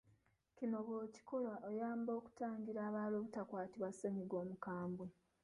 Kino bw’okikola, oyamba okutangira abalala obutakwatibwa ssennyiga omukambwe.